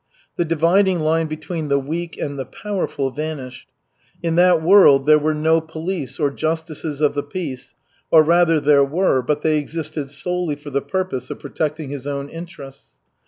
The dividing line between the weak and the powerful vanished. In that world there were no police or justices of the peace, or rather, there were, but they existed solely for the purpose of protecting his own interests.